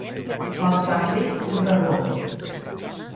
Faltar-li un regó.